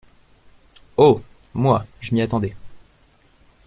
Oh ! moi, je m’y attendais…